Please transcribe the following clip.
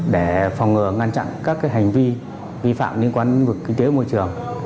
để phòng ngừa ngăn chặn các hành vi vi phạm liên quan đến vực kinh tế môi trường